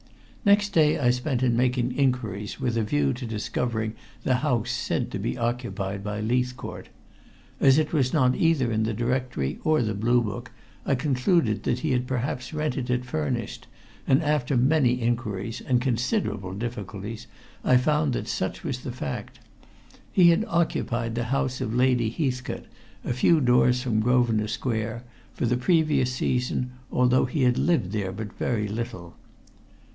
Next day I spent in making inquiries with a view to discovering the house said to be occupied by Leithcourt. As it was not either in the Directory or the Blue Book, I concluded that he had perhaps rented it furnished, and after many inquiries and considerable difficulties I found that such was the fact. He had occupied the house of Lady Heathcote, a few doors from Grosvenor Square, for the previous season, although he had lived there but very little.